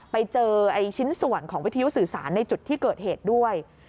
ไปเจอชิ้นส่วนของวิทยุสื่อสารในจุดที่เกิดเหตุด้วย